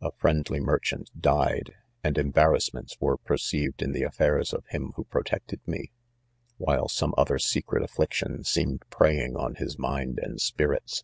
A friendly merchant died, and embarrassments were oerceived in the affairs of him who nrn tected me ; while some other secret affliction seemed preying on his mind and spirits.